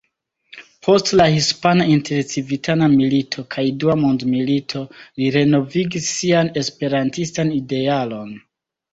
Post la hispana intercivitana milito kaj dua mondmilito li renovigis sian esperantistan idealon.